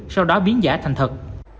sau đó biến giả thành thật